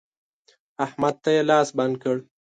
احمد ته يې لاس بند کړ.